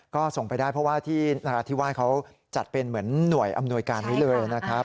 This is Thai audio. ก็ส่งไปได้เพราะว่าที่นราธิวาสเขาจัดเป็นเหมือนหน่วยอำนวยการนี้เลยนะครับ